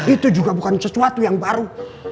itu juga bukan sesuatu yang baru